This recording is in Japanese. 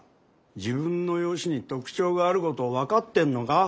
自分の容姿に特徴があること分かってんのか？